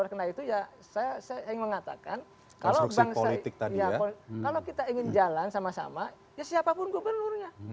karena itu ya saya ingin mengatakan kalau kita ingin jalan sama sama ya siapapun gubernurnya